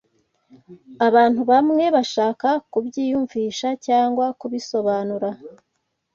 abantu bamwe bashaka kubyiyumvisha cyangwa kubisobanura